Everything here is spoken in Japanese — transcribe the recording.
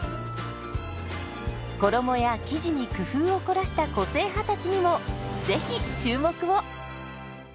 衣や生地に工夫を凝らした個性派たちにもぜひ注目を！